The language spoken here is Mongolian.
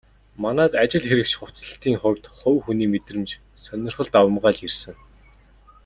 Манайд ажил хэрэгч хувцаслалтын хувьд хувь хүний мэдрэмж, сонирхол давамгайлж ирсэн.